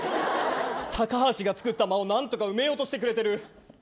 高橋が作った間を何とか埋めようとしてくれている。